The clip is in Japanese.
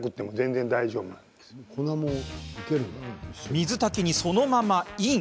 水炊きに、そのままイン！